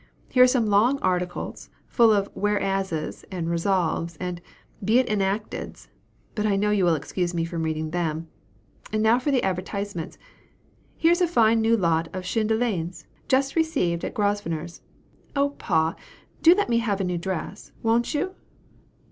Here are some long articles, full of Whereases, and Resolved's, and Be it enacted's; but I know you will excuse me from reading them. And now for the advertisements: Here is a fine new lot of Chenie de Laines, 'just received' at Grosvenor's oh, pa! do let me have a new dress, won't you?"